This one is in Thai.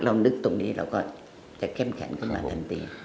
นึกตรงนี้เราก็จะเข้มแข็งขึ้นมาทันที